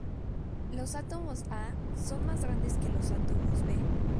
Los átomos 'A' son más grandes que los átomos 'B'.